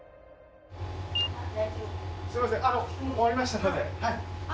すいません。